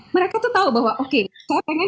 mereka tahu bahwa oke saya ingin